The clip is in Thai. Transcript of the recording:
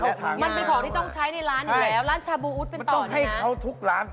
เอาของต่อไปก็ลิกกับแว่นชาดีกว่า